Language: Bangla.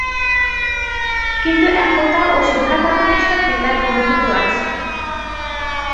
কিন্তু একতা ও শোভা কাপুরের সাথে তার বন্ধুত্ব আছে।